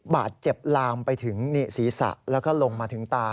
ลามไปถึงศีรษะแล้วก็ลงมาถึงตา